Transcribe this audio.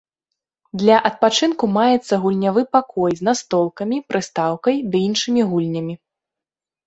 Для адпачынку маецца гульнявы пакой з настолкамі, прыстаўкай ды іншымі гульнямі.